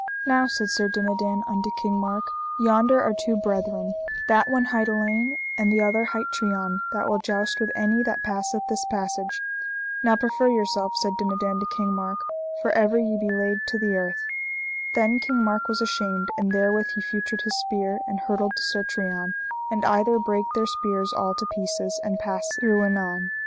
Now, said Sir Dinadan unto King Mark, yonder are two brethren, that one hight Alein, and the other hight Trian, that will joust with any that passeth this passage. Now proffer yourself, said Dinadan to King Mark, for ever ye be laid to the earth. Then King Mark was ashamed, and therewith he feutred his spear, and hurtled to Sir Trian, and either brake their spears all to pieces, and passed through anon.